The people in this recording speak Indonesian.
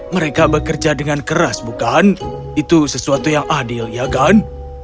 mereka bekerja dengan keras bukan itu sesuatu yang adil ya kan